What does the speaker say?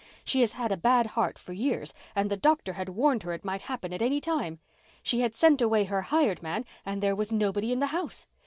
She has had a bad heart for years and the doctor had warned her it might happen at any time. She had sent away her hired man and there was nobody in the house.